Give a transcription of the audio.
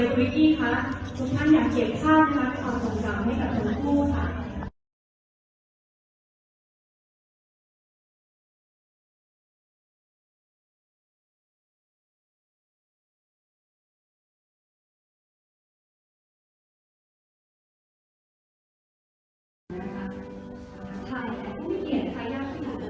คุณท่านอยากเกียรติภาพครับขอขอบคุณภาพให้กับคุณผู้ฝ่าย